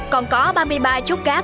còn có ba mươi ba chốt cát